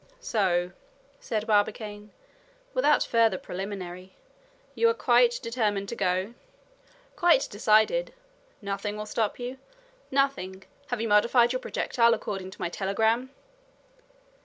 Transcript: "So," said Barbicane without further preliminary, "you are quite determined to go." "Quite decided." "Nothing will stop you?" "Nothing. Have you modified your projectile according to my telegram."